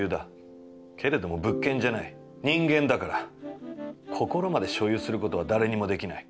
けれども物件じゃない人間だから、心まで所有する事は誰にも出来ない。